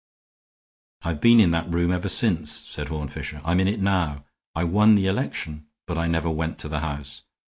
"I have been in that room ever since," said Horne Fisher. "I am in it now. I won the election, but I never went to the House.